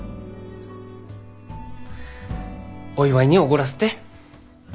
お祝いにおごらせて。